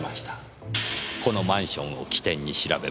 このマンションを起点に調べました。